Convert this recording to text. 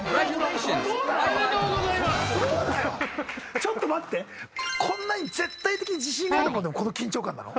ちょっと待ってこんなに絶対的に自信があるものでもこの緊張感なの？